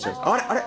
あれ？